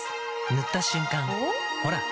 塗った瞬間おっ？